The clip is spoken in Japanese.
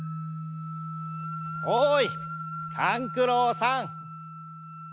おい勘九郎さん！